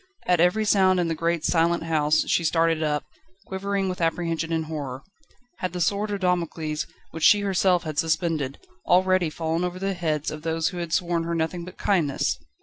At every sound in the great, silent house she started up, quivering with apprehension and horror. Had the sword of Damocles, which she herself had suspended, already fallen over the heads of those who had shown her nothing but kindness?